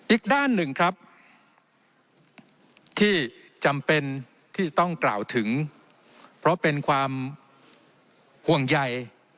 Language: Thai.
อีกด้านหนึ่งครับที่จำเป็นที่จะต้องกล่าวถึงเพราะเป็นความห่วงใย